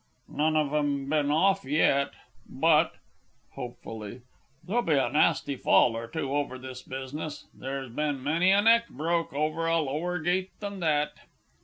None of 'em been off yet; but (hopefully) there'll be a nasty fall or two over this business there's been many a neck broke over a lower gate than that.